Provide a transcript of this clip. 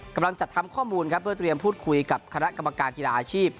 กำลังจัดทำข้อมูลครับเพื่อเตรียมพูดคุยกับคณะกรรมการกีฬาอาชีพ